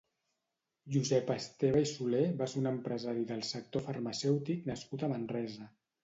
Josep Esteve i Soler va ser un empresari del sector farmacèutic nascut a Manresa.